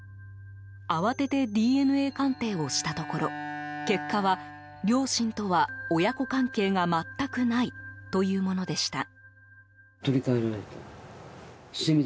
慌ててＤＮＡ鑑定をしたところ結果は、両親とは親子関係が全くないというものでした。